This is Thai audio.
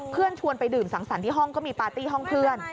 ชวนไปดื่มสังสรรค์ที่ห้องก็มีปาร์ตี้ห้องเพื่อน